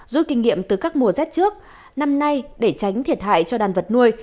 rút kinh nghiệm từ các mùa rét trước năm nay để tránh thiệt hại cho đàn vật nuôi